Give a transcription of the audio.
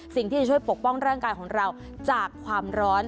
สิ่งที่จะช่วยปกป้องร่างกายของเราจากความร้อน